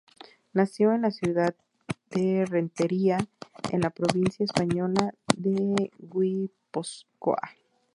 Nació en la ciudad de Rentería en la provincia española de Guipúzcoa.